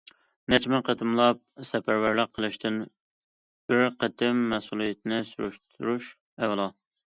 نەچچە مىڭ قېتىملاپ سەپەرۋەرلىك قىلىشتىن بىر قېتىم مەسئۇلىيىتىنى سۈرۈشتۈرۈش ئەلا.